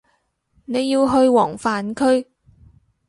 你要去黃泛區